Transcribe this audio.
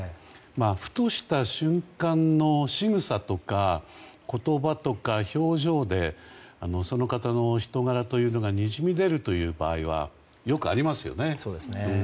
ふとした瞬間のしぐさとか言葉とか、表情でその方のお人柄というのがにじみ出るという場合はよくありますよね。